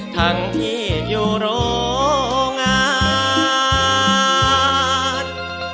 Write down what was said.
ทั้งที่อยู่รองาน